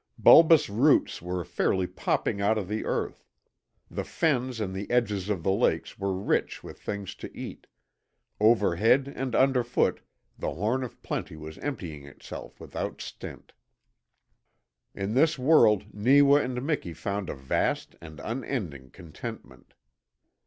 Bulbous roots were fairly popping out of the earth; the fens and the edges of the lakes were rich with things to eat, overhead and underfoot the horn of plenty was emptying itself without stint. In this world Neewa and Miki found a vast and unending contentment.